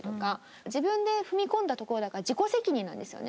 自分で踏み込んだところだから自己責任なんですよね。